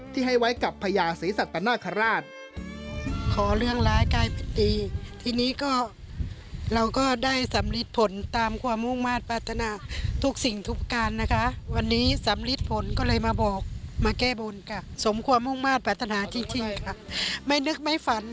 ที่ให้ไว้กับพญาศรีสัตนคราช